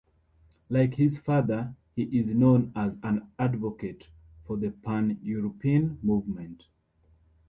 Like his father, he is known as an advocate for the Pan-European movement.